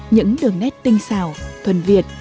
những đường nét tinh xào thuần việt